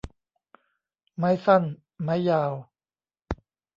ไม้สั้นไม้ยาว